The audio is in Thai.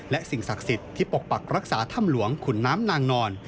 และสิ่งศักดิ์สิทธิ์ที่ปกปักรักษาถ้ำหลวงขุนน้ำนางนอน